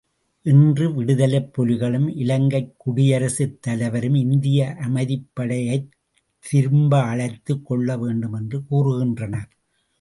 இன்று விடுதலைப் புலிகளும், இலங்கைக் குடியரசு தலைவரும் இந்திய அமைதிப்படையைத் திரும்ப அழைத்துக் கொள்ள வேண்டும் என்று கூறுகின்றனர்.